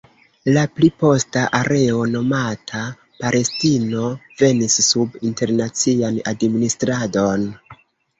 La pli posta areo, nomata Palestino venis sub internacian administradon.